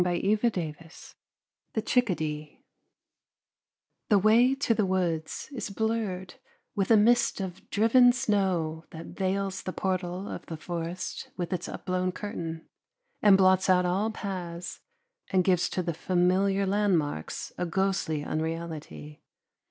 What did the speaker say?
LVII THE CHICKADEE The way to the woods is blurred with a mist of driven snow that veils the portal of the forest with its upblown curtain, and blots out all paths, and gives to the familiar landmarks a ghostly unreality.